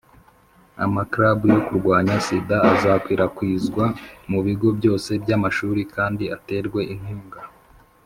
ama "clubs" yo kurwanya sida azakwirakwizwa mu bigo byose by'amashuri kandi aterwe inkunga.